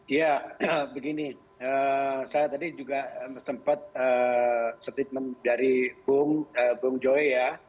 ya begini saya tadi juga sempat statement dari bung joy ya